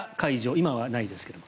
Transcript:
今はないですけど。